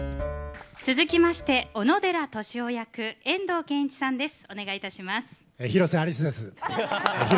続きまして、小野寺俊夫役遠藤憲一さんです。